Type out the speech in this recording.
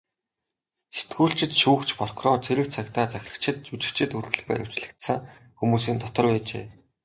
Сэтгүүлчид, шүүгч, прокурор, цэрэг цагдаа, захирагчид, жүжигчид хүртэл баривчлагдсан хүмүүсийн дотор байжээ.